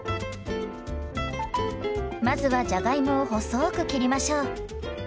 まずはじゃがいもを細く切りましょう。